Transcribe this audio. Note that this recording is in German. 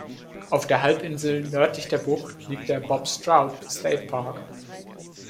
Auf der Halbinsel nördlich der Bucht liegt der Bob Straub State Park.